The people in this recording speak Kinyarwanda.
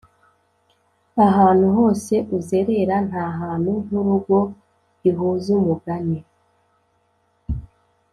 ahantu hose uzerera, ntahantu nkurugo ihuza umugani